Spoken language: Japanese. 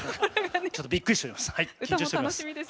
ちょっとびっくりしております。